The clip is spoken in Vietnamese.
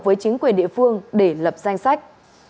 với chính quyền địa phương để lập danh sách